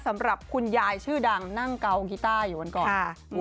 สำหรับคุณยายชื่อดังนั่งเกากีต้าอยู่วันก่อน